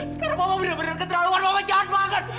sekarang mama benar benar keterlaluan mama jahat banget